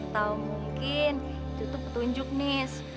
tahu mungkin itu tuh petunjuk nis